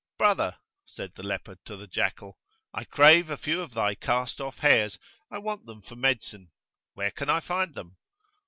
"Brother," said the leopard to the jackal, "I crave a few of thy cast off hairs; I want them for medicine;[FN#14] where can I find them?"